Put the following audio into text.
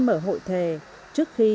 mở hội thề trước khi